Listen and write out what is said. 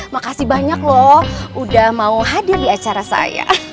makasih banyak loh udah mau hadir di acara saya